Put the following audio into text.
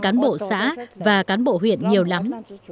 cảm ơn các bộ xã và cán bộ huyện nhiều lắm